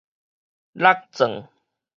戮鑽